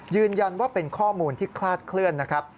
ยืนยันว่าเป็นข้อมูลที่คลาดเคลื่อนนะครับ